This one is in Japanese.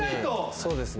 そうですね。